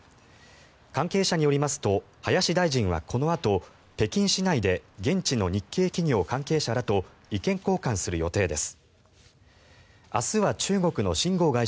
関係者によりますと林大臣はこのあと北京市内で現地の日系企業関係者らと意見交換する予定です。